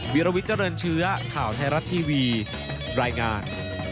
วิลวิทเจริญเชื้อข่าวไทยรัฐทีวีรายงาน